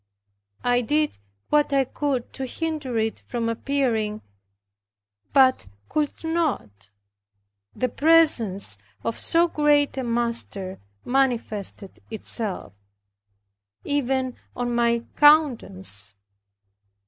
I did what I could to hinder it from appearing, but could not. The presence of so great a Master manifested itself, even on my countenance.